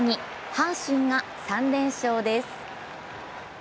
阪神が３連勝です。